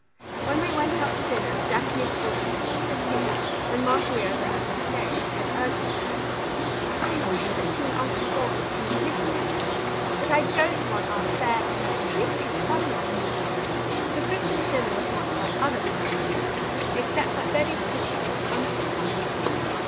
When they went out to dinner Jackie escorted Cousin Sophia, and Marjorie over heard him saying, in urgent tones :" I wish that you and Uncle Bob would come and live with us, — but I dorit want Aunt Fairley ; she is too funny all the time !" Our Little Canadian Cousin 95 The Christmas dinner was much like other Christmas dinners, except that Debby's cook ing was unsurpassable.